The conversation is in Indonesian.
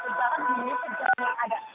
jadi sejauh ini ada